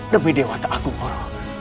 demi dewata aku guru